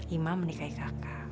imam menikahi kakak